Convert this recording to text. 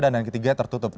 terbuka dan ketiga tertutup